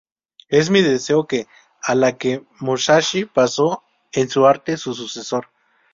Es mi deseo que, a la que Musashi pasó en su arte, su sucesor.